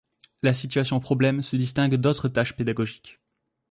La situation-problème se distingue d'autres tâches pédagogiques.